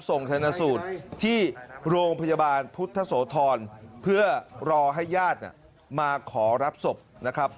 ธนสูตรที่โรงพยาบาลพุทธโสธรเพื่อรอให้ญาติมาขอรับศพนะครับ